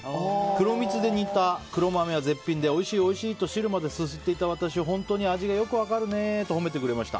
黒蜜で煮た黒豆は絶品でおいしい、おいしいと汁まですすっていた私に味がよく分かるねとほめてくれました。